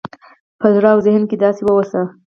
په زړه او ذهن کې داسې واوسه